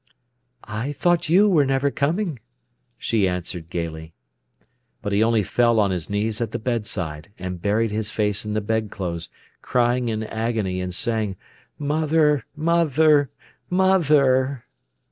"I thought you were never coming," she answered gaily. But he only fell on his knees at the bedside, and buried his face in the bedclothes, crying in agony, and saying: "Mother—mother—mother!"